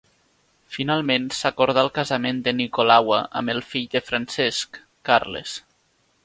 Finalment s'acordà el casament de Nicolaua amb el fill de Francesc, Carles.